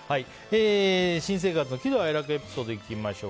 新生活の喜怒哀楽エピソードいきましょう。